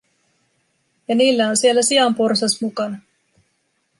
Ja niillä on siellä sianporsas mukana.